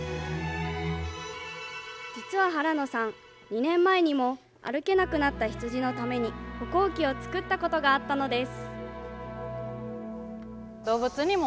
実は原野さん、２年前にも歩けなくなった羊のために歩行器を作ったことがあったのです。